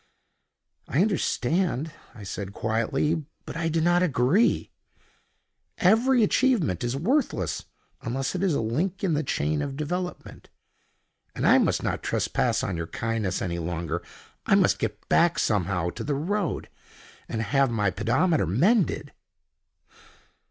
"I understand," I said quietly, "but I do not agree. Every achievement is worthless unless it is a link in the chain of development. And I must not trespass on your kindness any longer. I must get back somehow to the road, and have my pedometer mended."